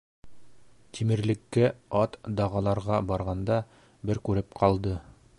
Тимерлеккә ат дағаларға барғанда бер күреп ҡалды.